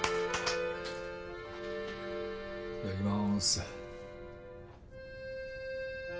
いただきます。